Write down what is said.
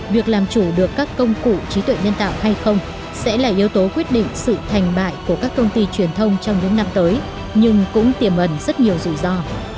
việc làm chủ được các công cụ trí tuệ nhân tạo hay không sẽ là yếu tố quyết định sự thành bại của các công ty truyền thông trong những năm tới nhưng cũng tiềm ẩn rất nhiều rủi ro